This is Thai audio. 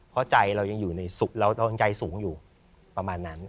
เพราะใจเรายังอยู่ในสุขเราใจสูงอยู่ประมาณนั้น